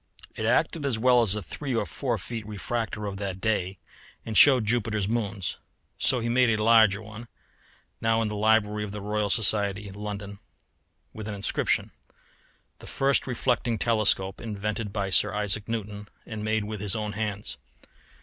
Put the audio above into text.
It acted as well as a three or four feet refractor of that day, and showed Jupiter's moons. So he made a larger one, now in the library of the Royal Society, London, with an inscription: "The first reflecting telescope, invented by Sir Isaac Newton, and made with his own hands."